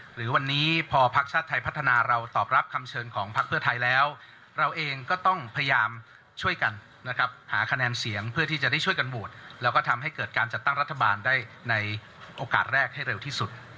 ให้แก้ผลงอุ้มคำว่างได้ในโอกาสแรกให้เร็วที่สุด